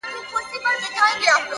د نورو بریا ستایل لویوالی دی!